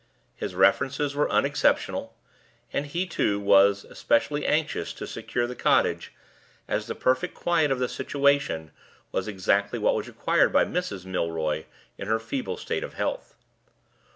His references were unexceptionable; and he, too, was especially anxious to secure the cottage, as the perfect quiet of the situation was exactly what was required by Mrs. Milroy in her feeble state of health.